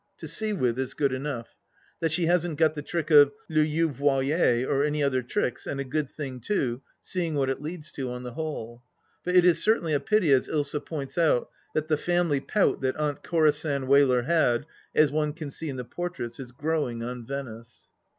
To see with is good enough. That she hasn't got the trick of les yeux voilies, or any other tricks, and a good thing too, seeing what it leads to, on the whole. But it is certainly a pity, as Ilsa points out, that the family pout that Aunt Corisande Wheler had, as one can see in the portraits, is growing on Venice.